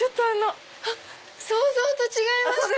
想像と違いました！